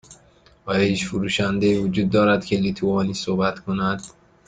آیا هیچ فروشنده وجود دارد که لیتوانی صحبت کند؟